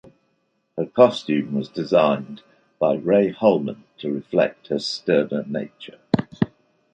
Her costume was designed by Ray Holman to reflect her sterner nature.